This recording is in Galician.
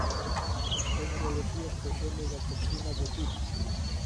Ten homoloxías co xene da toxina botúlica.